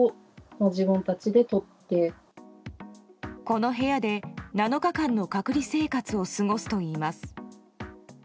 この部屋で７日間の隔離生活を過ごすといいます。